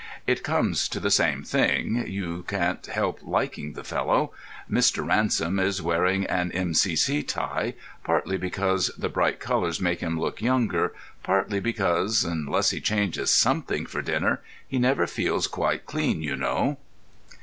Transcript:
It comes to the same thing; you can't help liking the fellow. Mr. Ransom is wearing an M.C.C. tie; partly because the bright colours make him look younger, partly because unless he changes something for dinner he never feels quite clean, you know.